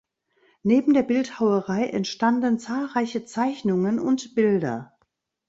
Neben der Bildhauerei entstanden zahlreiche Zeichnungen und Bilder.